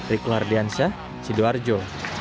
riku hardiansyah sidoarjo